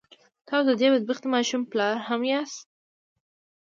تاسو د دې بد بختې ماشومې پلار هم ياستئ.